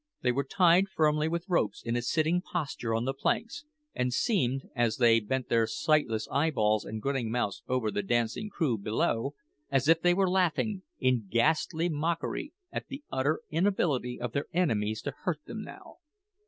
They were tied firmly with ropes in a sitting posture on the planks, and seemed, as they bent their sightless eyeballs and grinning mouths over the dancing crew below, as if they were laughing in ghastly mockery at the utter inability of their enemies to hurt them now.